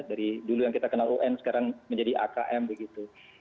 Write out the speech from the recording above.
dari dulu yang kita kenal un sekarang menjadi akm begitu